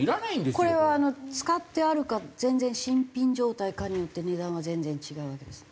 これは使ってあるか全然新品状態かによって値段は全然違うわけですか？